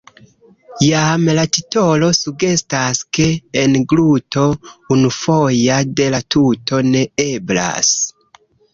Jam la titolo sugestas, ke engluto unufoja de la tuto ne eblas.